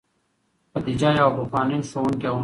خدیجه یوه پخوانۍ ښوونکې وه.